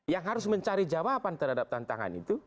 yang harus mencari jawaban terhadap tantangan itu